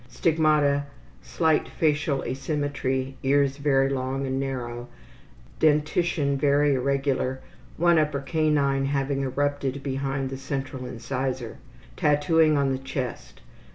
Stigmata: slight facial asymmetry, ears very long and narrow, dentition very irregular one upper canine having erupted behind the central incisors. Tattooing on the chest.